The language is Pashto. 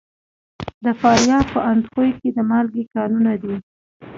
د فاریاب په اندخوی کې د مالګې کانونه دي.